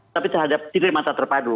tapi terhadap tiga di mata terpadu